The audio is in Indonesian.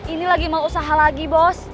ini lagi mau usaha lagi bos